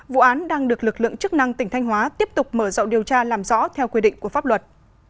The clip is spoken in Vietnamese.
vụ án đang được lực lượng chức năng tỉnh thanh hóa tiếp tục mở rộng điều tra làm rõ theo quy định của pháp luật